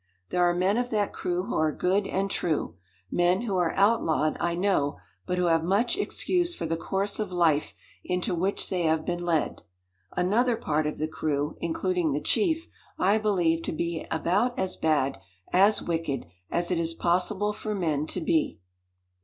"There are men of that crew who are good and true men who are outlawed, I know, but who have much excuse for the course of life into which they have been led. Another part of the crew, including the chief, I believe to be about as bad as wicked as it is possible for men to be."